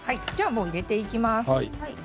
入れていきます。